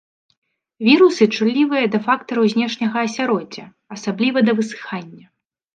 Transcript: Вірусы чуллівыя да фактараў знешняга асяроддзя, асабліва да высыхання.